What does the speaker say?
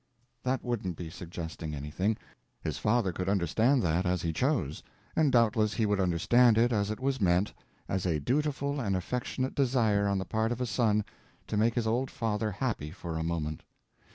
That wouldn't be suggesting anything. His father could understand that as he chose, and doubtless he would understand it as it was meant, as a dutiful and affectionate desire on the part of a son to make his old father happy for a moment.